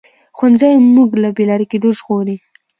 ښوونځی موږ له بې لارې کېدو ژغوري